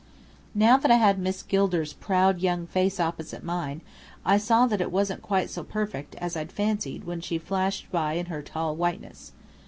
Now that I had Miss Gilder's proud young face opposite mine, I saw that it wasn't quite so perfect as I'd fancied when she flashed by in her tall whiteness.